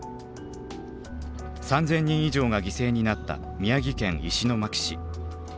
３，０００人以上が犠牲になった宮城県石巻市。